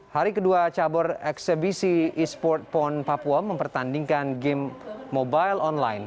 hari kedua cabur eksebisi e sport pon papua mempertandingkan game mobile online